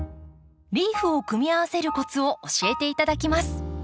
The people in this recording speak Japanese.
リーフを組み合わせるコツを教えて頂きます。